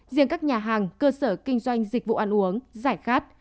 riêng các nhà hàng cơ sở kinh doanh dịch vụ ăn uống giải khát